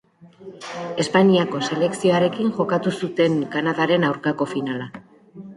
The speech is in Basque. Espainiako selekzioarekin jokatu zuten Kanadaren aurkako finala.